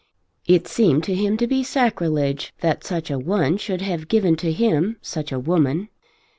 It seemed to him to be sacrilege that such a one should have given to him such a woman.